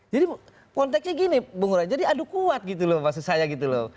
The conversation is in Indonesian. jadi konteknya gini jadi aduk kuat gitu loh maksud saya gitu loh